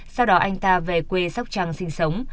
sau đó anh ta về quê sóc trăng sinh sống